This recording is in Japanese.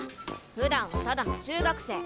ふだんはただの中学生。